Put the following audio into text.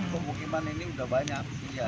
kemukiman ini udah banyak